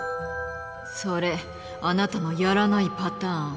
それあなたのやらないパターン。